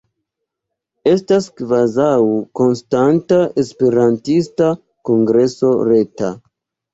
Estas kvazaŭ konstanta Esperantista Kongreso Reta.